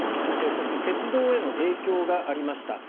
そして鉄道への影響がありました。